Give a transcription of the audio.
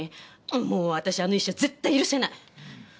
もう私あの医者絶対許せない！